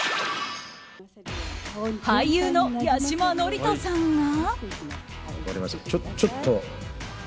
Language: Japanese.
俳優の八嶋智人さんが。